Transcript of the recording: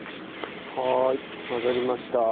はーい混ざりました。